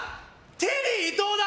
テリー伊藤だ！